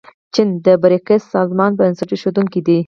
چین د بریکس سازمان بنسټ ایښودونکی دی.